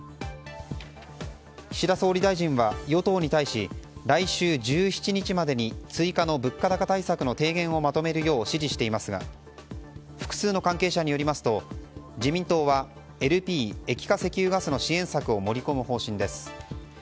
岸田総理大臣は与党に対し来週１７日までに追加の物価高対策の提言をまとめるよう指示していますが複数の関係者によりますと自民党はＬＰ・液化石油ガスの支援策を盛り込む方針です。